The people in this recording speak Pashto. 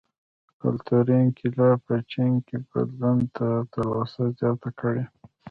کلتوري انقلاب په چین کې بدلون ته تلوسه زیاته کړه.